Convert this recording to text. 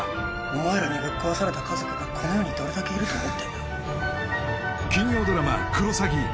お前らにぶっ壊された家族がこの世にどれだけいると思ってんだ